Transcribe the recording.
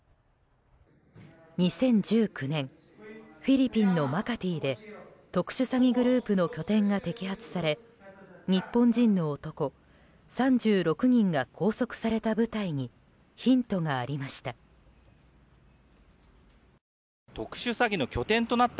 ２０１９年フィリピンのマカティで特殊詐欺グループの拠点が摘発され日本人の男３６人が拘束された舞台にヒントがありました。